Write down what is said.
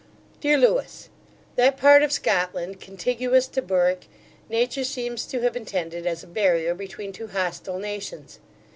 DEAR LEWIS, That part of Scotland contiguous to Berwick, nature seems to have intended as a barrier between two hostile nations.